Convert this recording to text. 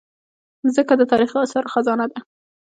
مځکه د تاریخي اثارو خزانه ده.